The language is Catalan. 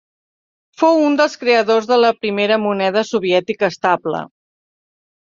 Fou un dels creadors de la primera moneda soviètica estable.